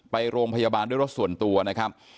ไปโรงพยาบาลด้วยรถส่วนตัวนะครับ